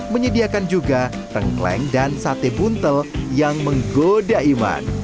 menyediakan juga tengkleng dan sate buntel yang menggoda iman